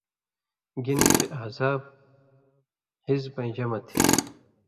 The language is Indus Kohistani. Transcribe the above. گِنہۡ چےۡ 'احزاب' حِزبَیں جمع تھی،